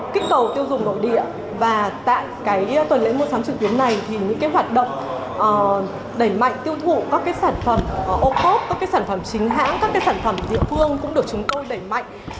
các sản phẩm chính hãng các sản phẩm địa phương cũng được chúng tôi đẩy mạnh